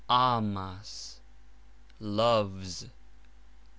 amas : loves.